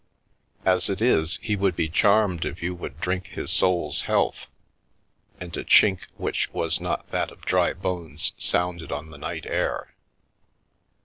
As it is, he would be charmed if you would drink his soul's health " and a chink which was not that of dry bones sounded on the night air.